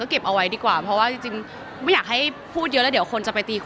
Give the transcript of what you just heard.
ก็ไม่อยากให้พูดเยอะหรอก